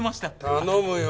頼むよ。